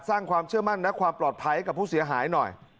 สร้างความเชื่อมั่นและความปลอดภัยกับผู้เสียหายหน่อย